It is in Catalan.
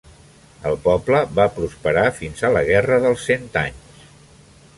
El poble va prosperar fins a la Guerra dels cent anys.